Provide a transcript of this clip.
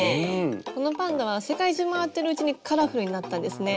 このパンダは世界中回ってるうちにカラフルになったんですね。